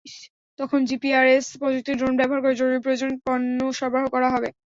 তখন জিপিআরএস প্রযুক্তির ড্রোন ব্যবহার করে জরুরি প্রয়োজনে পণ্য সরবরাহ করা হবে।